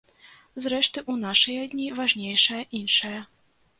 Зрэшты, у нашыя дні важнейшае іншае.